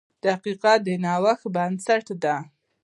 • دقیقه د نوښت بنسټ ده.